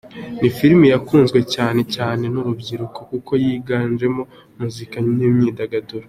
Ni film yakunzwe cyane cyane n’urubyiruko kuko yiganjemo muzika n’imyidagaduro.